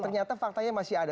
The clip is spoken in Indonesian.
ternyata faktanya masih ada